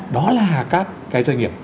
đó là các cái doanh nghiệp